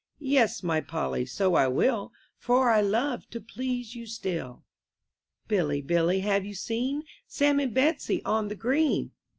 Yes, my Polly, so I will. For I love to please you still. Billy, Billy, have you seen Sam and Betsy on the green?